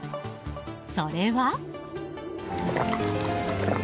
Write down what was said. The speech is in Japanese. それは。